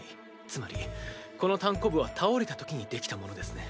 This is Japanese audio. つまりこのたんこぶは倒れたときに出来たものですね。